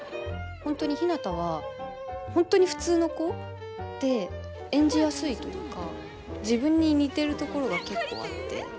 本当にひなたは本当に普通の子で演じやすいというか自分に似てるところが結構あって。